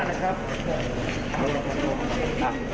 ประกอบความให้การนะครับ